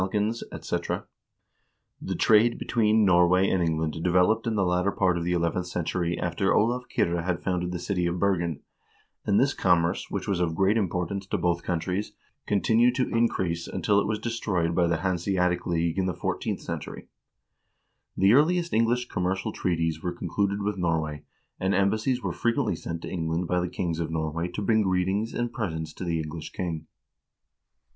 V. THE ORIGIN OF A DISTINCT COMMERCIAL POLICY 469 England developed in the latter part of the eleventh century after Olav Kyrre had founded the city of Bergen, and this commerce, which was of great importance to both countries, continued to in crease until it was destroyed by the Hanseatic League in the four teenth century. The earliest English commercial treaties were concluded with Norway, and embassies were frequently sent to Eng land by the kings of Norway to bring greetings and presents to the English king.